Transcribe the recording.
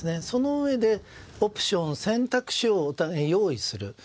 そのうえでオプション、選択肢をお互いに用意する。